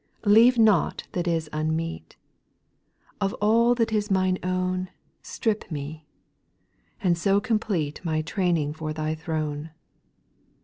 7. Leave nought that is unmeet ; Of all that is mine own. Strip me ; and so complete My training for Thy throne.